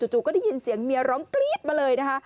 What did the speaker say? จู่ก็ได้ยินเสียงเมียร้องกรี๊ดมาเลยนะคะ